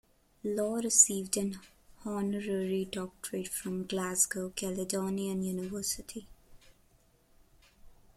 Law received an honorary doctorate from Glasgow Caledonian University.